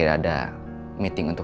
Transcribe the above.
saya udah mau emak